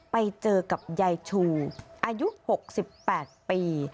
ไปเจอกับยายชูอายุ๖๘ปี